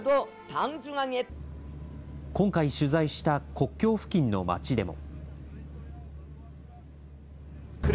今回、取材した国境付近のまちでも。